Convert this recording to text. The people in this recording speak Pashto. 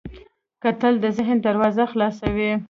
کتل د ذهن دروازې خلاصوي